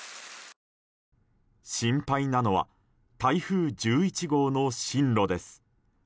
心配なのは台風１１号の進路です。